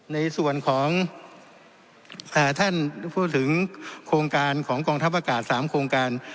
ในส่วนของท่านพูดถึงโครงการของกองทัพอากาศ๓โครงการ